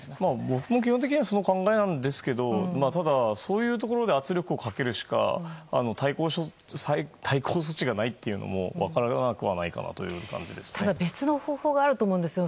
僕も基本的にはその考えなんですけどただ、そういうところで圧力をかけるしか対抗措置がないというのも分からなくはないかなというただ、別の方法があると思うんですよ。